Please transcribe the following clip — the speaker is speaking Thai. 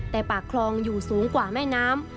แต่ปากคลองอยู่สูงกว่าแม่น้ำ